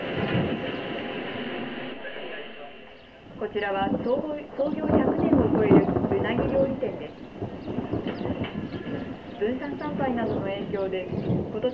こちらは創業１００年を超えるうなぎ料理店です。